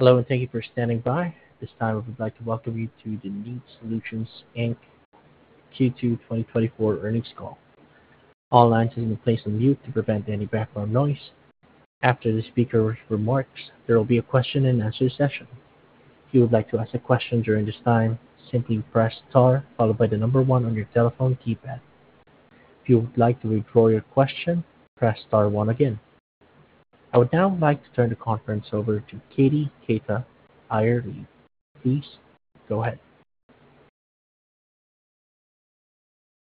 Hello, and thank you for standing by. At this time, I would like to welcome you to the Kneat Solutions Inc. Q2 2024 earnings call. All lines have been placed on mute to prevent any background noise. After the speaker remarks, there will be a question and answer session. If you would like to ask a question during this time, simply press star followed by the number one on your telephone keypad. If you would like to withdraw your question, press star one again. I would now like to turn the conference over to Katie Keita, IR Lead. Please go ahead.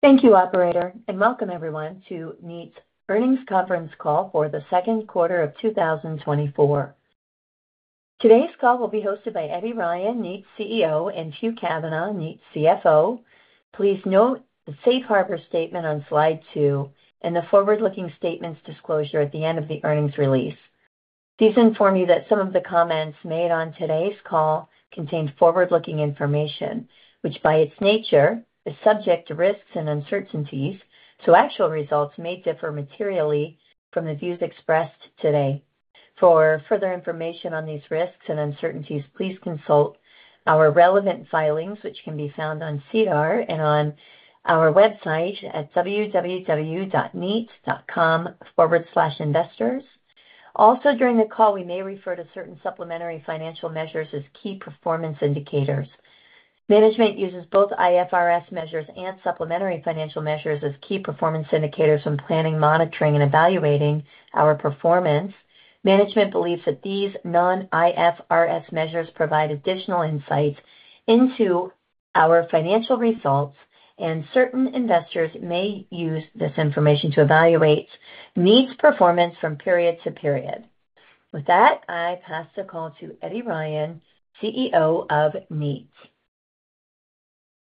Thank you, operator, and welcome everyone to Kneat's earnings conference call for the second quarter of 2024. Today's call will be hosted by Eddie Ryan, Kneat's CEO; and Hugh Kavanagh, Kneat's CFO. Please note the Safe Harbor statement on slide two and the forward-looking statements disclosure at the end of the earnings release. Please inform you that some of the comments made on today's call contain forward-looking information, which, by its nature, is subject to risks and uncertainties, so actual results may differ materially from the views expressed today. For further information on these risks and uncertainties, please consult our relevant filings, which can be found on SEDAR and on our website at www.kneat.com/investors. Also, during the call, we may refer to certain supplementary financial measures as key performance indicators. Management uses both IFRS measures and supplementary financial measures as key performance indicators when planning, monitoring, and evaluating our performance. Management believes that these non-IFRS measures provide additional insights into our financial results, and certain investors may use this information to evaluate Kneat's performance from period to period. With that, I pass the call to Eddie Ryan, CEO of Kneat.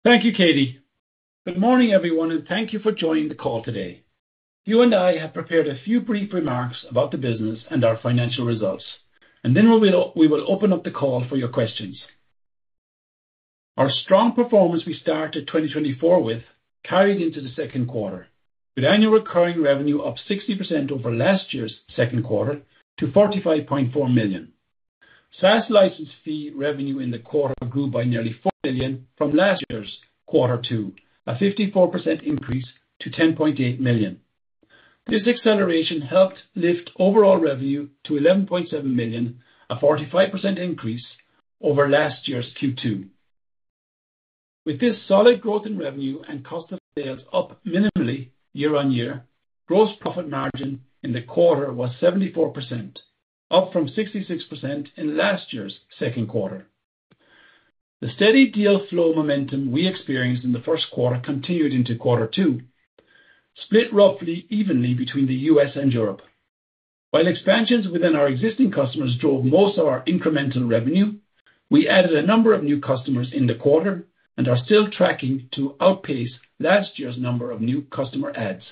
Thank you, Katie. Good morning, everyone, and thank you for joining the call today. Hugh and I have prepared a few brief remarks about the business and our financial results, and then we'll be- we will open up the call for your questions. Our strong performance we started 2024 with carried into the second quarter, with annual recurring revenue up 60% over last year's second quarter to 45.4 million. SaaS license fee revenue in the quarter grew by nearly 4 million from last year's quarter to a 54% increase to 10.8 million. This acceleration helped lift overall revenue to 11.7 million, a 45% increase over last year's Q2. With this solid growth in revenue and cost of sales up minimally year on year, gross profit margin in the quarter was 74%, up from 66% in last year's second quarter. The steady deal flow momentum we experienced in the first quarter continued into quarter two, split roughly evenly between the U.S. and Europe. While expansions within our existing customers drove most of our incremental revenue, we added a number of new customers in the quarter and are still tracking to outpace last year's number of new customer adds.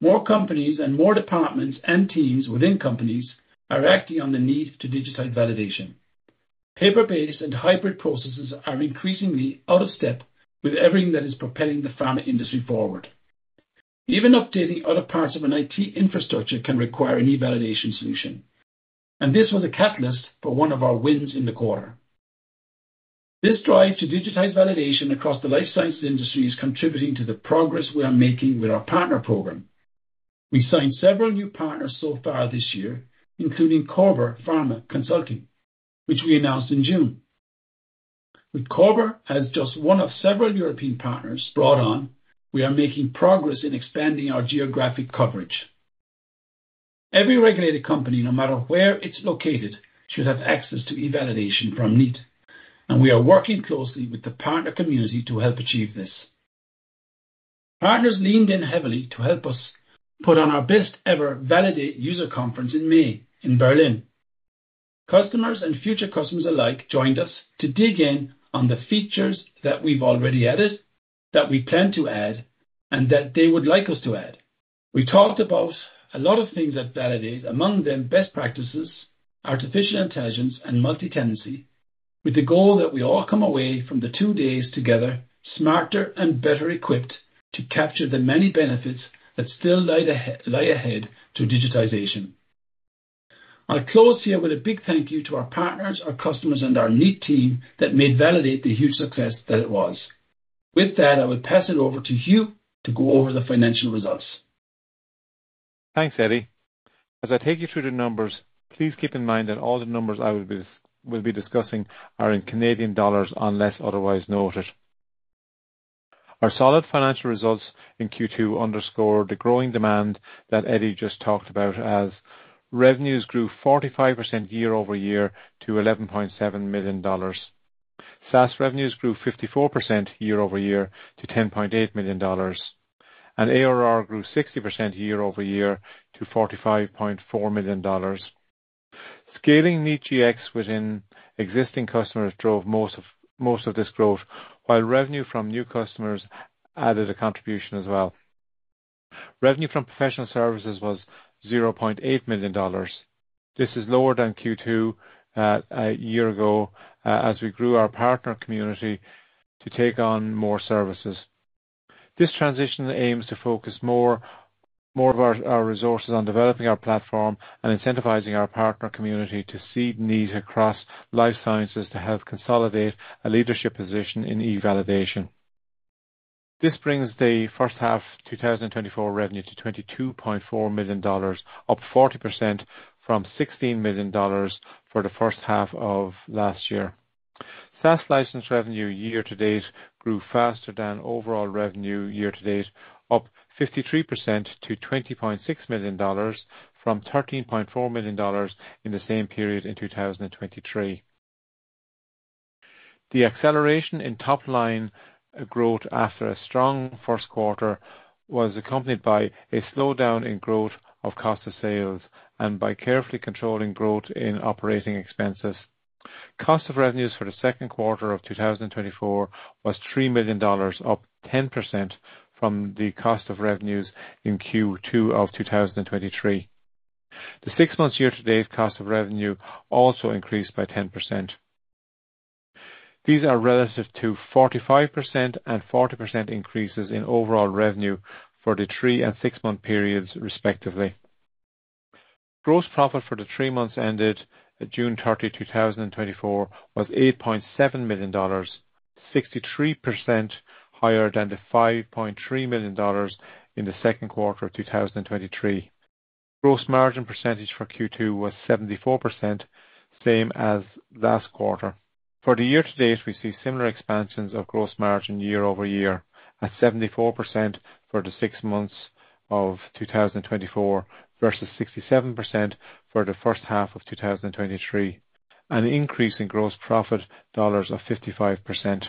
More companies and more departments and teams within companies are acting on the need to digitize validation. Paper-based and hybrid processes are increasingly out of step with everything that is propelling the pharma industry forward. Even updating other parts of an IT infrastructure can require any validation solution, and this was a catalyst for one of our wins in the quarter. This drive to digitize validation across the life sciences industry is contributing to the progress we are making with our partner program. We signed several new partners so far this year, including Körber Pharma Consulting, which we announced in June. With Körber as just one of several European partners brought on, we are making progress in expanding our geographic coverage. Every regulated company, no matter where it's located, should have access to eValidation from Kneat, and we are working closely with the partner community to help achieve this. Partners leaned in heavily to help us put on our best ever Validate user conference in May in Berlin. Customers and future customers alike joined us to dig in on the features that we've already added, that we plan to add, and that they would like us to add. We talked about a lot of things at Validate, among them best practices, artificial intelligence, and multi-tenancy, with the goal that we all come away from the two days together, smarter and better equipped to capture the many benefits that still lie ahead of digitization. I'll close here with a big thank you to our partners, our customers, and our Kneat team that made Validate the huge success that it was. With that, I will pass it over to Hugh to go over the financial results. Thanks, Eddie. As I take you through the numbers, please keep in mind that all the numbers I will be discussing are in Canadian dollars, unless otherwise noted. Our solid financial results in Q2 underscore the growing demand that Eddie just talked about as revenues grew 45% year-over-year to 11.7 million dollars. SaaS revenues grew 54% year-over-year to 10.8 million dollars, and ARR grew 60% year-over-year to 45.4 million dollars. Scaling Kneat Gx within existing customers drove most of this growth, while revenue from new customers added a contribution as well. Revenue from professional services was 0.8 million dollars. This is lower than Q2, a year ago, as we grew our partner community to take on more services. This transition aims to focus more of our resources on developing our platform and incentivizing our partner community to seed need across life sciences to help consolidate a leadership position in eValidation. This brings the first half 2024 revenue to CAD 22.4 million, up 40% from CAD 16 million for the first half of last year. SaaS license revenue year-to-date grew faster than overall revenue year-to-date, up 53% to 20.6 million dollars from 13.4 million dollars in the same period in 2023. The acceleration in top line growth after a strong first quarter was accompanied by a slowdown in growth of cost of sales and by carefully controlling growth in operating expenses. Cost of revenues for the second quarter of 2024 was 3 million dollars, up 10% from the cost of revenues in Q2 of 2023. The six months year-to-date cost of revenue also increased by 10%. These are relative to 45% and 40% increases in overall revenue for the 3- and 6-month periods respectively. Gross profit for the three months ended June 30, 2024, was 8.7 million dollars, 63% higher than the 5.3 million dollars in the second quarter of 2023. Gross margin percentage for Q2 was 74%, same as last quarter. For the year to date, we see similar expansions of gross margin year-over-year at 74% for the six months of 2024, versus 67% for the first half of 2023, an increase in gross profit dollars of 55%.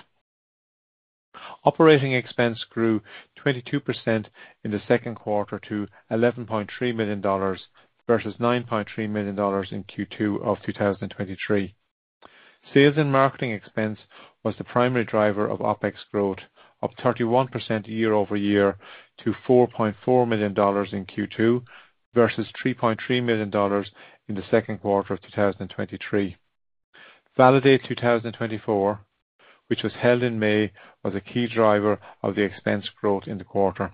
Operating expense grew 22% in the second quarter to 11.3 million dollars versus 9.3 million dollars in Q2 of 2023. Sales and marketing expense was the primary driver of OpEx growth, up 31% year-over-year to 4.4 million dollars in Q2, versus 3.3 million dollars in the second quarter of 2023. VALIDATE 2024, which was held in May, was a key driver of the expense growth in the quarter.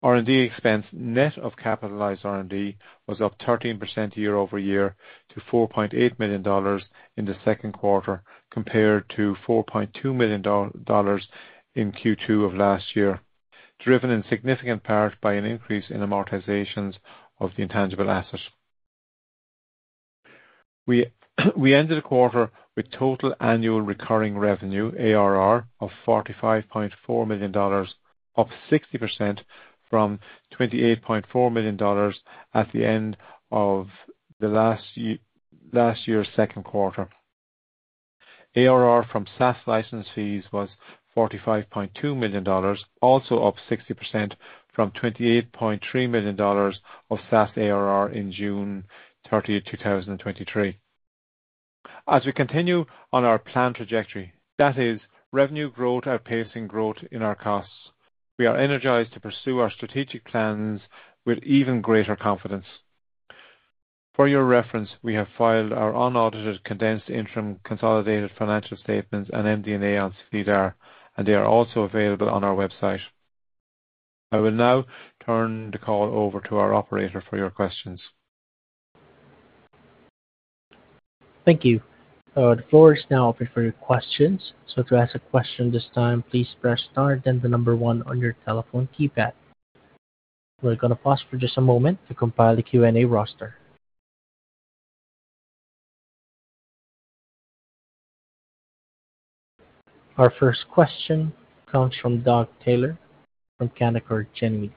R&D expense, net of capitalized R&D, was up 13% year-over-year to 4.8 million dollars in the second quarter, compared to 4.2 million dollars in Q2 of last year, driven in significant part by an increase in amortizations of the intangible asset. We ended the quarter with total annual recurring revenue, ARR, of 45.4 million dollars, up 60% from 28.4 million dollars at the end of last year's second quarter. ARR from SaaS license fees was 45.2 million dollars, also up 60% from 28.3 million dollars of SaaS ARR in June 30, 2023. As we continue on our planned trajectory, that is revenue growth, outpacing growth in our costs, we are energized to pursue our strategic plans with even greater confidence. For your reference, we have filed our unaudited, condensed interim consolidated financial statements and MD&A on SEDAR, and they are also available on our website. I will now turn the call over to our operator for your questions. Thank you. The floor is now open for your questions. So to ask a question this time, please press star, then the number one on your telephone keypad. We're going to pause for just a moment to compile the Q&A roster. Our first question comes from Doug Taylor from Canaccord Genuity.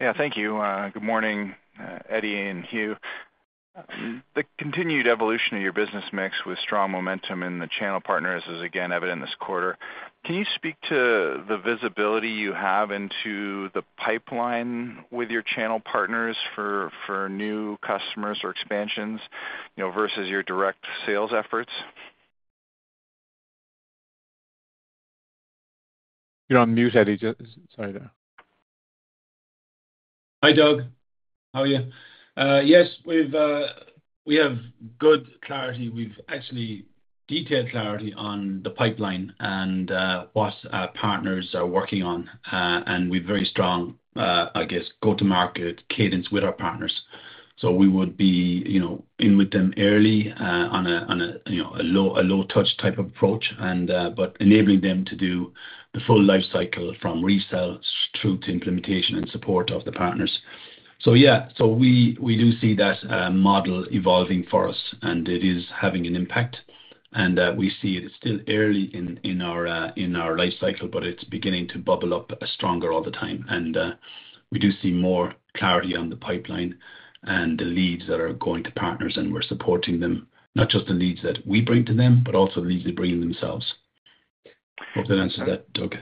Yeah, thank you. Good morning, Eddie and Hugh. The continued evolution of your business mix with strong momentum in the channel partners is again evident this quarter. Can you speak to the visibility you have into the pipeline with your channel partners for, for new customers or expansions, you know, versus your direct sales efforts? You're on mute, Eddie. Sorry. Hi, Doug. How are you? Yes, we've, we have good clarity. We've actually detailed clarity on the pipeline and what our partners are working on. And we're very strong, I guess, go-to-market cadence with our partners. So we would be, you know, in with them early, on a, you know, a low touch type approach and but enabling them to do the full life cycle from resale through to implementation and support of the partners. So yeah, so we do see that model evolving for us, and it is having an impact. And we see it, it's still early in our life cycle, but it's beginning to bubble up stronger all the time. We do see more clarity on the pipeline and the leads that are going to partners, and we're supporting them. Not just the leads that we bring to them, but also the leads they bring in themselves. Hope that answers that, Doug.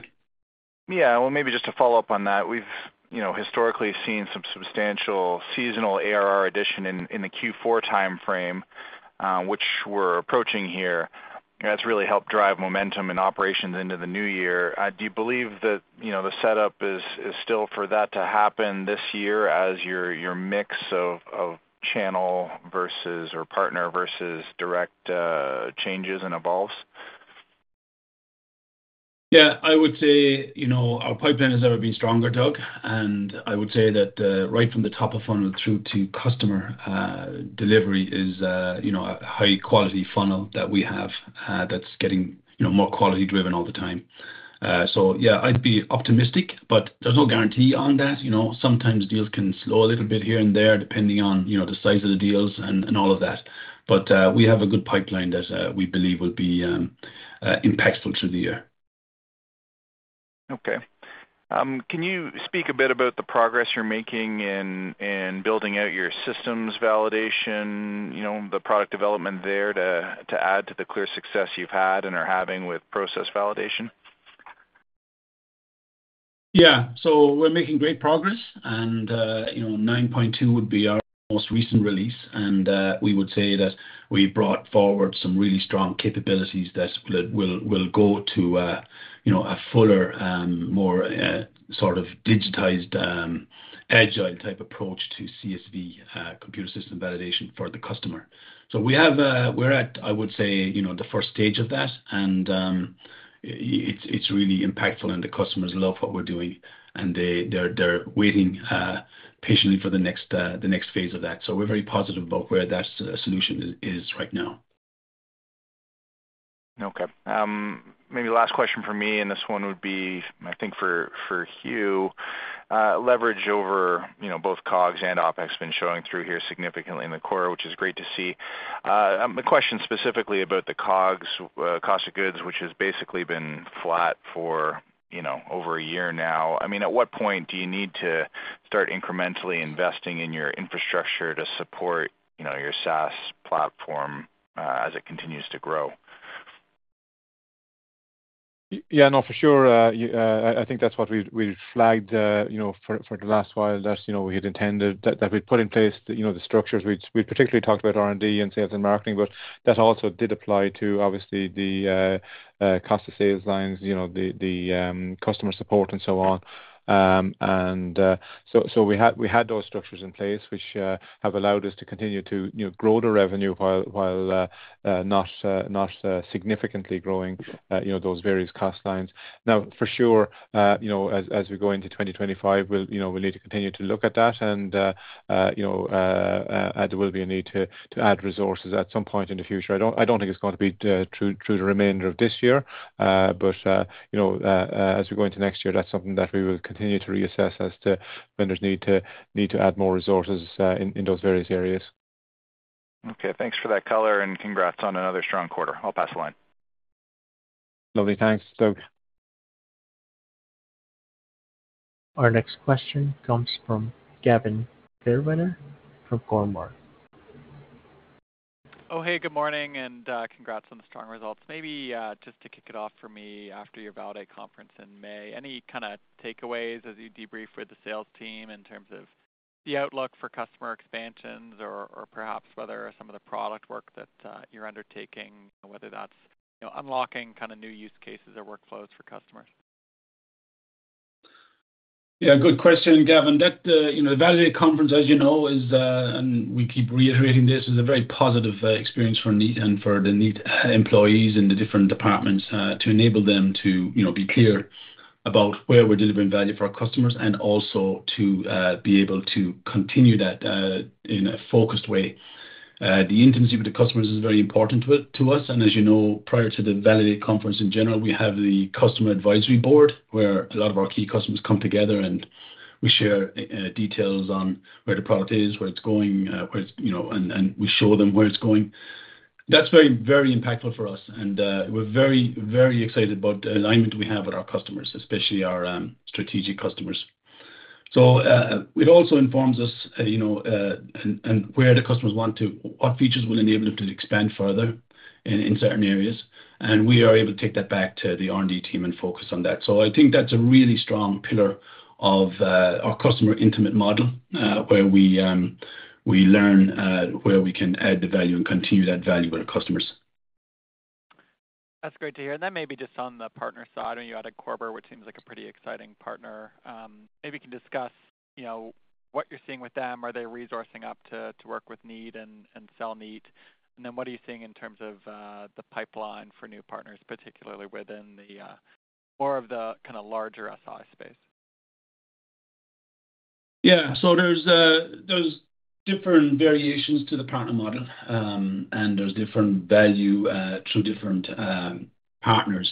Yeah. Well, maybe just to follow up on that, we've, you know, historically seen some substantial seasonal ARR addition in the Q4 timeframe, which we're approaching here, and that's really helped drive momentum and operations into the new year. Do you believe that, you know, the setup is still for that to happen this year as your mix of channel versus or partner versus direct changes and evolves? Yeah, I would say, you know, our pipeline has never been stronger, Doug, and I would say that right from the top of funnel through to customer delivery is, you know, a high quality funnel that we have, that's getting, you know, more quality driven all the time. So yeah, I'd be optimistic, but there's no guarantee on that, you know? Sometimes deals can slow a little bit here and there, depending on, you know, the size of the deals and all of that. But we have a good pipeline that we believe will be impactful through the year. Okay. Can you speak a bit about the progress you're making in building out your systems validation, you know, the product development there, to add to the clear success you've had and are having with process validation? Yeah. So we're making great progress and, you know, 9.2 would be our most recent release, and we would say that we brought forward some really strong capabilities that will go to, you know, a fuller, more, sort of digitized, agile type approach to CSV, computer system validation for the customer. So we have, we're at, I would say, you know, the first stage of that, and it's really impactful, and the customers love what we're doing, and they're waiting patiently for the next, the next phase of that. So we're very positive about where that solution is right now. Okay. Maybe last question from me, and this one would be, I think for Hugh. Leverage over, you know, both COGS and OPEX has been showing through here significantly in the quarter, which is great to see. The question specifically about the COGS, cost of goods, which has basically been flat for, you know, over a year now. I mean, at what point do you need to start incrementally investing in your infrastructure to support, you know, your SaaS platform, as it continues to grow? Yeah, no, for sure, yeah, I think that's what we flagged, you know, for the last while, that, you know, we had intended that we'd put in place, you know, the structures which we particularly talked about R&D and sales and marketing, but that also did apply to obviously the cost of sales lines, you know, the customer support and so on. And so we had those structures in place, which have allowed us to continue to, you know, grow the revenue while not significantly growing, you know, those various cost lines. Now, for sure, you know, as we go into 2025, we'll, you know, we'll need to continue to look at that and, you know, there will be a need to add resources at some point in the future. I don't, I don't think it's going to be through the remainder of this year, but, you know, as we go into next year, that's something that we will continue to reassess as to when there's need to add more resources in those various areas. Okay, thanks for that color, and congrats on another strong quarter. I'll pass the line. Lovely. Thanks, Doug. Our next question comes from Gavin Fairweather from Cormark. Oh, hey, good morning, and congrats on the strong results. Maybe just to kick it off for me, after your VALIDATE conference in May, any kind of takeaways as you debrief with the sales team in terms of the outlook for customer expansions or perhaps whether some of the product work that you're undertaking, whether that's, you know, unlocking kind of new use cases or workflows for customers? Yeah, good question, Gavin. That, you know, VALIDATE conference, as you know, is, and we keep reiterating this, is a very positive experience for Kneat and for the Kneat employees in the different departments, to enable them to, you know, be clear about where we're delivering value for our customers and also to be able to continue that in a focused way. The intimacy with the customers is very important to us, and as you know, prior to the VALIDATE conference in general, we have the customer advisory board, where a lot of our key customers come together, and we share details on where the product is, where it's going, where it's, you know, and we show them where it's going. That's very, very impactful for us, and we're very, very excited about the alignment we have with our customers, especially our strategic customers. So, it also informs us, you know, and where the customers want what features will enable them to expand further in certain areas, and we are able to take that back to the R&D team and focus on that. So I think that's a really strong pillar of our customer intimate model, where we learn where we can add the value and continue that value with our customers. That's great to hear. And then maybe just on the partner side, I know you added Körber, which seems like a pretty exciting partner. Maybe you can discuss, you know, what you're seeing with them. Are they resourcing up to work with Kneat and sell Kneat? And then what are you seeing in terms of the pipeline for new partners, particularly within the more of the kind of larger SI space? Yeah. So there's different variations to the partner model, and there's different value to different partners.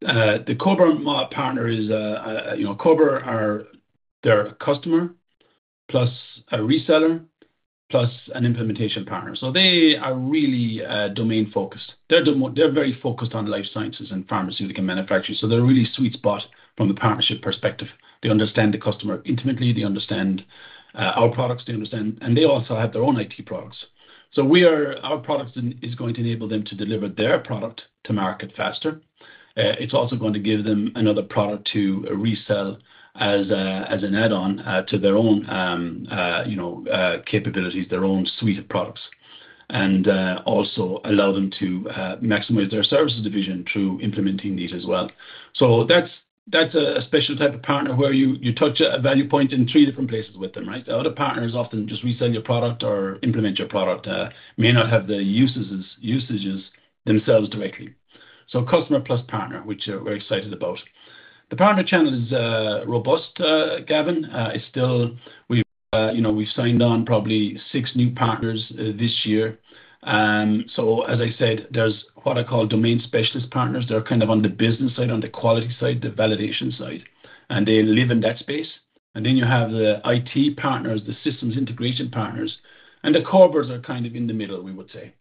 The Körber partner is, you know, Körber are... They're a customer, plus a reseller, plus an implementation partner. So they are really domain-focused. They're very focused on life sciences and pharmaceutical manufacturing, so they're a really sweet spot from the partnership perspective. They understand the customer intimately, they understand our products, they understand... And they also have their own IT products. So our products is going to enable them to deliver their product to market faster. It's also going to give them another product to resell as an add-on to their own, you know, capabilities, their own suite of products, and also allow them to maximize their services division through implementing these as well. So that's a special type of partner where you touch a value point in three different places with them, right? Other partners often just resell your product or implement your product, may not have the usages themselves directly. So customer plus partner, which we're excited about. The partner channel is robust, Gavin. It's still we've, you know, we've signed on probably 6 new partners this year. And so, as I said, there's what I call domain specialist partners. They're kind of on the business side, on the quality side, the validation side, and they live in that space. And then you have the IT partners, the systems integration partners, and the Körbers are kind of in the middle, we would say.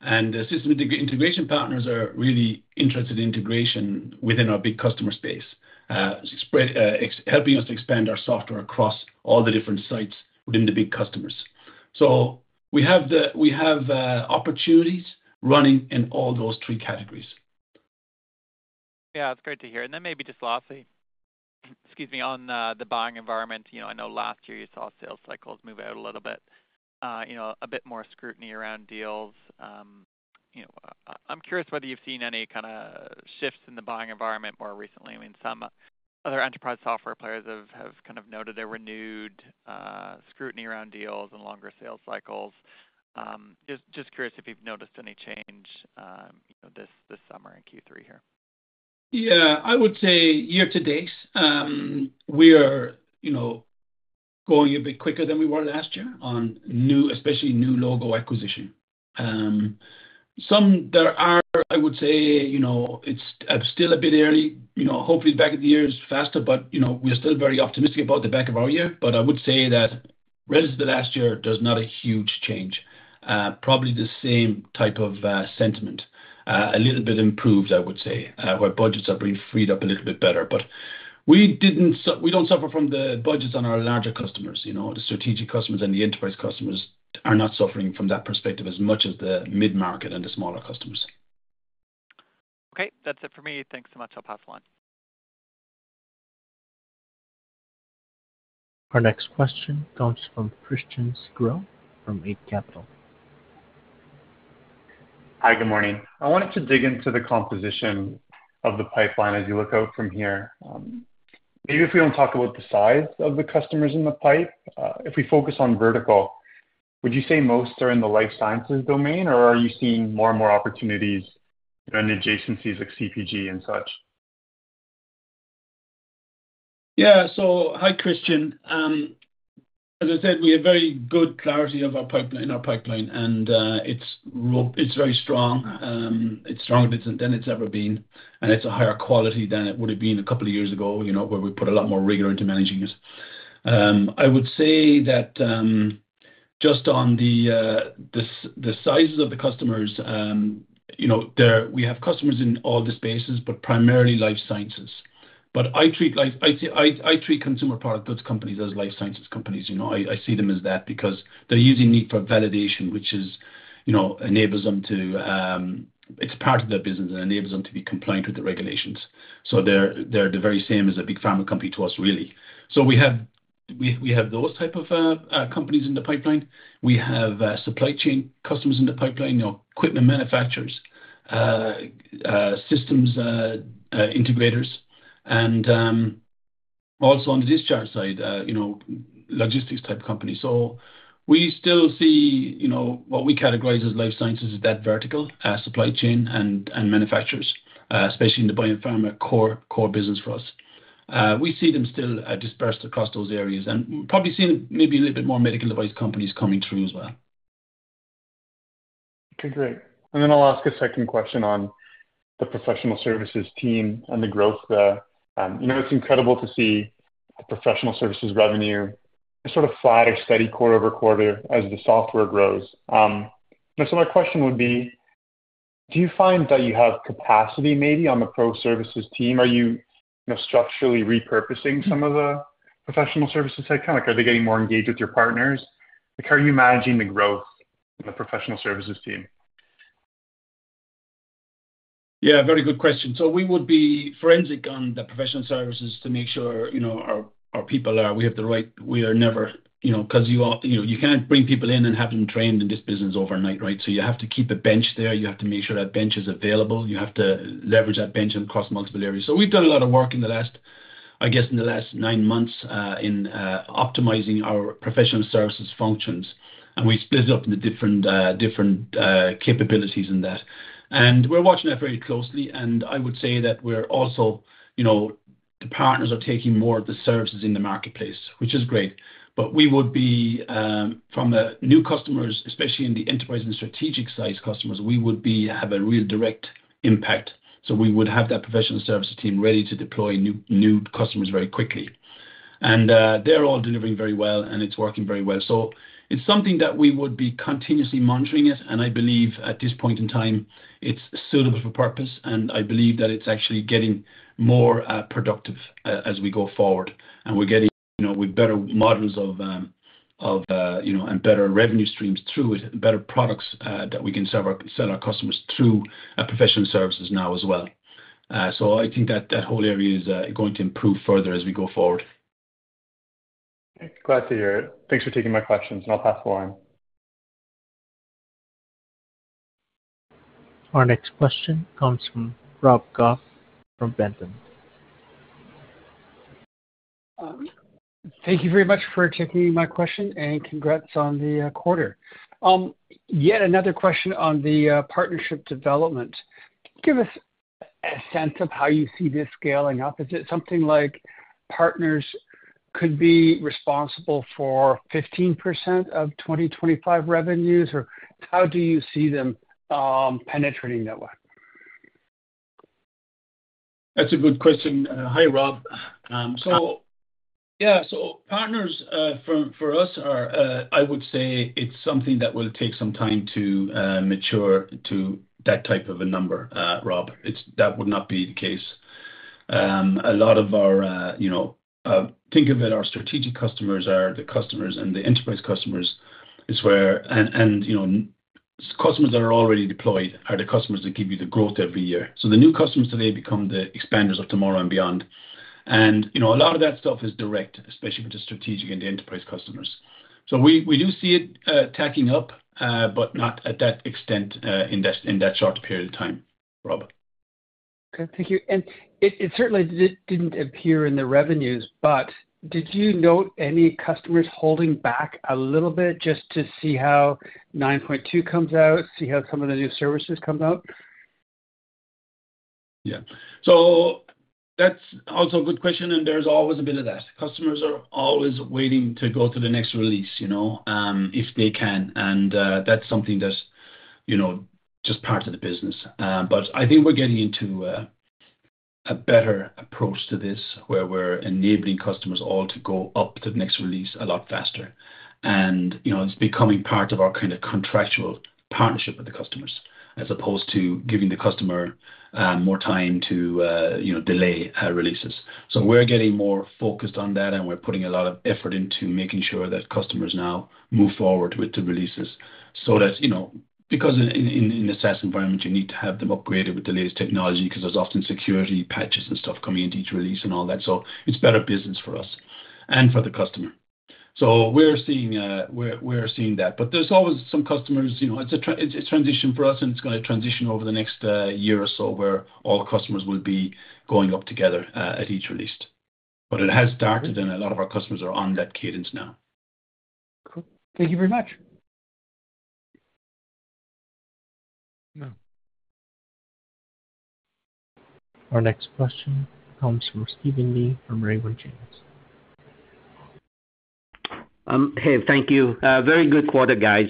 And the system integration partners are really interested in integration within our big customer space, helping us expand our software across all the different sites within the big customers. So we have opportunities running in all those three categories. Yeah, it's great to hear. And then maybe just lastly, excuse me, on the buying environment. You know, I know last year you saw sales cycles move out a little bit, you know, a bit more scrutiny around deals. You know, I'm curious whether you've seen any kind of shifts in the buying environment more recently. I mean, some other enterprise software players have kind of noted a renewed scrutiny around deals and longer sales cycles. Just curious if you've noticed any change, you know, this summer in Q3 here. Yeah, I would say year to date, we are, you know, going a bit quicker than we were last year on new, especially new logo acquisition. Some there are, I would say, you know, it's still a bit early. You know, hopefully back of the year is faster, but, you know, we're still very optimistic about the back of our year. But I would say that relative to last year, there's not a huge change. Probably the same type of sentiment, a little bit improved, I would say, where budgets are being freed up a little bit better. But we didn't we don't suffer from the budgets on our larger customers. You know, the strategic customers and the enterprise customers are not suffering from that perspective as much as the mid-market and the smaller customers. Okay, that's it for me. Thanks so much. I'll pass the line. Our next question comes from Christian Sgro from Eight Capital. Hi, good morning. I wanted to dig into the composition of the pipeline as you look out from here. Maybe if we don't talk about the size of the customers in the pipe, if we focus on vertical, would you say most are in the life sciences domain, or are you seeing more and more opportunities in adjacencies like CPG and such? Yeah. So hi, Christian. As I said, we have very good clarity of our pipeline, in our pipeline, and it's very strong. It's stronger than it's ever been, and it's a higher quality than it would have been a couple of years ago, you know, where we put a lot more rigor into managing it. I would say that, just on the sizes of the customers, you know, there. We have customers in all the spaces, but primarily life sciences. But I treat consumer product, those companies as life sciences companies. You know, I see them as that because they're using Kneat for validation, which is, you know, enables them to. It's part of their business and enables them to be compliant with the regulations. So they're, they're the very same as a big pharma company to us, really. So we have, we, we have those type of companies in the pipeline. We have supply chain customers in the pipeline, you know, equipment manufacturers, systems integrators, and also on the discharge side, you know, logistics-type companies. So we still see, you know, what we categorize as life sciences is that vertical, supply chain and manufacturers, especially in the biopharma core, core business for us. We see them still dispersed across those areas and probably seeing maybe a little bit more medical device companies coming through as well. Okay, great. And then I'll ask a second question on the professional services team and the growth there. You know, it's incredible to see the professional services revenue sort of flat or steady quarter over quarter as the software grows. So my question would be: Do you find that you have capacity maybe on the pro services team? Are you, you know, structurally repurposing some of the professional services side? Kind of like, are they getting more engaged with your partners? Like, how are you managing the growth in the professional services team? Yeah, very good question. So we would be forensic on the professional services to make sure, you know, our people are we have the right. We are never, you know, 'cause you know, you can't bring people in and have them trained in this business overnight, right? So you have to keep a bench there. You have to make sure that bench is available. You have to leverage that bench across multiple areas. So we've done a lot of work in the last, I guess, in the last nine months, in optimizing our professional services functions, and we've built up the different, different capabilities in that. And we're watching that very closely, and I would say that we're also, you know, the partners are taking more of the services in the marketplace, which is great. But we would be from the new customers, especially in the enterprise and strategic-sized customers, we would be have a real direct impact. So we would have that professional services team ready to deploy new, new customers very quickly. And they're all delivering very well, and it's working very well. So it's something that we would be continuously monitoring it, and I believe at this point in time, it's suitable for purpose, and I believe that it's actually getting more productive as we go forward. And we're getting, you know, with better models of, of, you know, and better revenue streams through it, better products that we can sell our, sell our customers through professional services now as well. So I think that that whole area is going to improve further as we go forward. Glad to hear it. Thanks for taking my questions, and I'll pass the line. Our next question comes from Rob Goff from Ventum Financial. Thank you very much for taking my question, and congrats on the quarter. Yet another question on the partnership development. Give us a sense of how you see this scaling up. Is it something like partners could be responsible for 15% of 2025 revenues, or how do you see them penetrating that way? That's a good question. Hi, Rob. So yeah, so partners for us are, I would say it's something that will take some time to mature to that type of a number, Rob. It's... That would not be the case. A lot of our, you know, think of it, our strategic customers are the customers, and the enterprise customers is where... And, you know, customers that are already deployed are the customers that give you the growth every year. So the new customers today become the expanders of tomorrow and beyond. And, you know, a lot of that stuff is direct, especially with the strategic and the enterprise customers. So we do see it ticking up, but not to that extent, in that short period of time, Rob. Okay, thank you. It certainly didn't appear in the revenues, but did you note any customers holding back a little bit just to see how 9.2 comes out, see how some of the new services come out? Yeah. So that's also a good question, and there's always a bit of that. Customers are always waiting to go to the next release, you know, if they can, and that's something that's, you know, just part of the business. But I think we're getting into a better approach to this, where we're enabling customers all to go up to the next release a lot faster. And, you know, it's becoming part of our kind of contractual partnership with the customers, as opposed to giving the customer more time to, you know, delay releases. So we're getting more focused on that, and we're putting a lot of effort into making sure that customers now move forward with the releases. So that's, you know, because in a SaaS environment, you need to have them upgraded with the latest technology, 'cause there's often security patches and stuff coming into each release and all that, so it's better business for us and for the customer. So we're seeing that. But there's always some customers, you know, it's a transition for us, and it's gonna transition over the next year or so, where all customers will be going up together at each release. But it has started, and a lot of our customers are on that cadence now. Cool. Thank you very much. Our next question comes from Steven Li from Raymond James. Hey, thank you. Very good quarter, guys.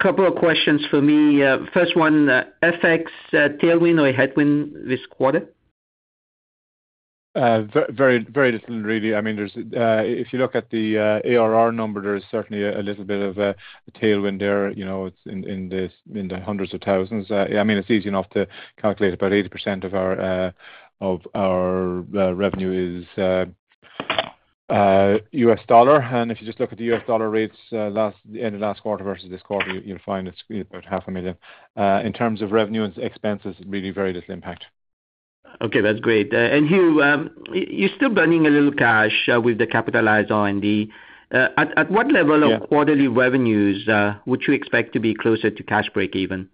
Couple of questions for me. First one, FX, tailwind or headwind this quarter? Very, very different, really. I mean, there is, if you look at the ARR number, there is certainly a little bit of a tailwind there, you know, it's in the hundreds of thousands. Yeah, I mean, it's easy enough to calculate. About 80% of our revenue is U.S. dollar. And if you just look at the U.S. dollar rates, at the end of last quarter versus this quarter, you'll find it's about 500,000. In terms of revenue and expenses, really very little impact. Okay, that's great. And Hugh, you're still burning a little cash with the capitalized R&D. At what level- Yeah... of quarterly revenues, would you expect to be closer to cash break even?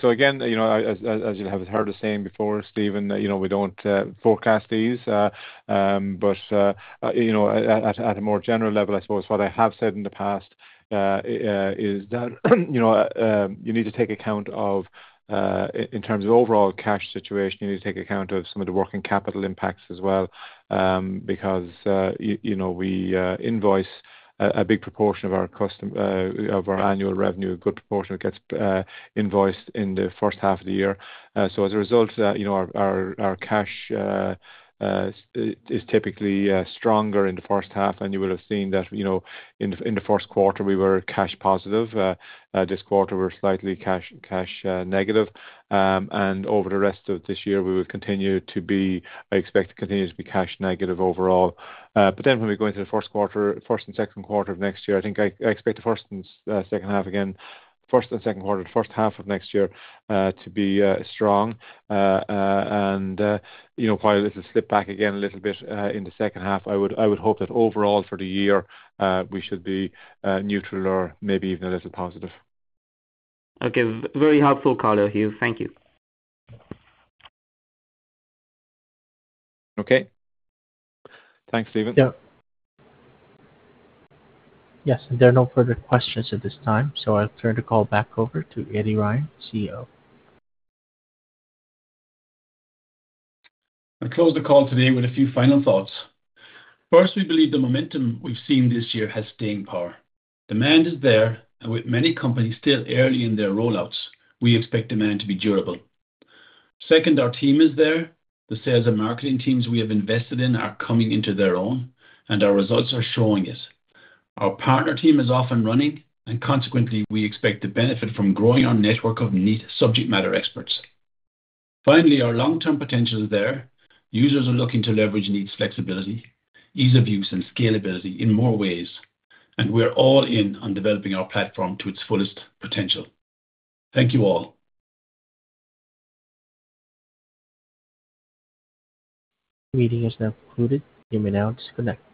So again, you know, as you have heard us saying before, Steven, you know, we don't forecast these. But, you know, at a more general level, I suppose what I have said in the past is that, you know, you need to take account of, in terms of overall cash situation, you need to take account of some of the working capital impacts as well, because, you know, we invoice a big proportion of our annual revenue, a good proportion gets invoiced in the first half of the year. So as a result, you know, our cash is typically stronger in the first half, and you would have seen that, you know, in the first quarter, we were cash positive. This quarter, we're slightly cash negative. And over the rest of this year, we will continue to be... I expect to continue to be cash negative overall. But then when we go into the first quarter, first and second quarter of next year, I think I expect the first and second half again, first and second quarter, the first half of next year, to be strong. And you know, probably a little slip back again a little bit in the second half. I would, I would hope that overall for the year, we should be, neutral or maybe even a little positive. Okay. Very helpful call, Hugh. Thank you. Okay. Thanks, Steven. Yeah. Yes, there are no further questions at this time, so I'll turn the call back over to Eddie Ryan, CEO. I'll close the call today with a few final thoughts. First, we believe the momentum we've seen this year has staying power. Demand is there, and with many companies still early in their rollouts, we expect demand to be durable. Second, our team is there. The sales and marketing teams we have invested in are coming into their own, and our results are showing it. Our partner team is off and running, and consequently, we expect to benefit from growing our network of Kneat subject matter experts. Finally, our long-term potential is there. Users are looking to leverage Kneat's flexibility, ease of use, and scalability in more ways, and we're all in on developing our platform to its fullest potential. Thank you all. Meeting is now concluded. You may now disconnect.